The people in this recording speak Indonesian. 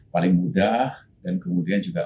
paling mudah dan kemudian juga